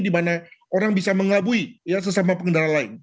di mana orang bisa mengelabui sesama pengendara lain